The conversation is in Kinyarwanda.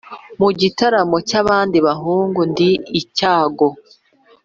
Mu gitaramo cy’abandi bahungu, ndi icyago.